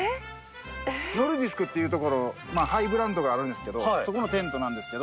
ノルディスクっていうところハイブランドがあるんですけどそこのテントなんですけど。